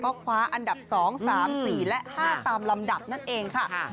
ก็คว้าอันดับ๒๓๔และ๕ตามลำดับนั่นเองค่ะ